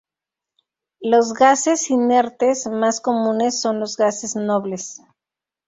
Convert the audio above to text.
Los gases inertes más comunes son los gases nobles.